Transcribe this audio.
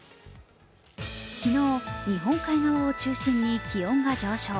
昨日、日本海側を中心に気温が上昇。